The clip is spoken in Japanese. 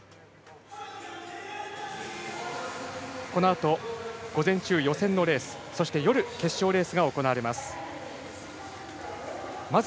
このあと午前中、予選のレースそして夜、決勝レースが行われます。